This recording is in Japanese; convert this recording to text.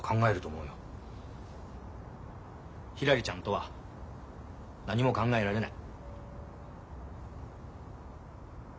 ひらりちゃんとは何も考えられない。